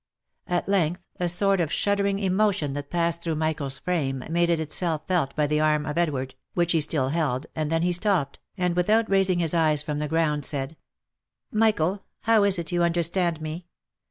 At length a sort of shud dering emotion that passed through Michael's frame, made itself felt by the arm of Edward, which he still held, and then he stopped, and without raising his eyes from the ground, said, " Michael ! How is it you understand me